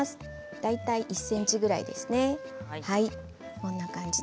大体１ｃｍぐらいですね。